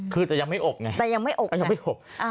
คือแต่ยังไม่อบ